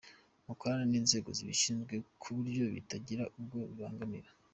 Mukorane n’inzego zibishinzwe ku buryo bitagira uwo bibangamira.